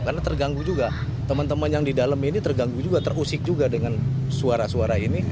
karena terganggu juga teman teman yang di dalam ini terganggu juga terusik juga dengan suara suara ini